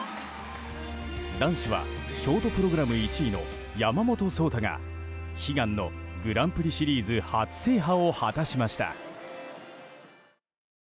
男子はショートプログラム１位の山本草太が悲願のグランプリシリーズ初制覇を果たしました。